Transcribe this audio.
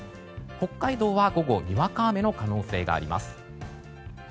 北海道は午後にわか雨の可能性があります。